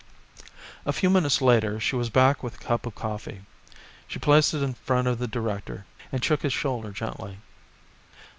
A few minutes later she was back with a cup of coffee. She placed it in front of the director, and shook his shoulder gently.